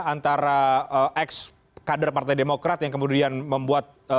antara ex kader partai demokrat yang kemudian membuat